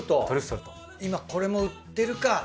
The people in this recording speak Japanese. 今これも売ってるか。